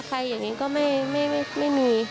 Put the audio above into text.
ใครอย่างนี้ก็ไม่มีค่ะ